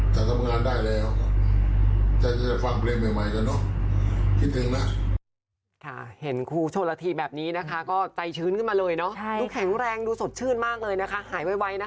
จะทำงานได้แล้วจะฟังเพลงใหม่กันเนอะคิดถึงนะ